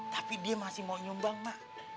tapi dia masih mau nyumbang mak